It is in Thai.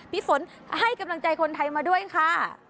พี่ฝนให้กำลังใจคนไทยมาด้วยค่ะ